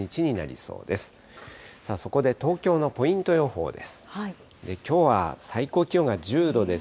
そこで東京のポイント予報です。